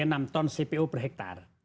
artinya enam ton cpo per hektar